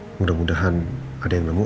mudah mudahan ada yang nemu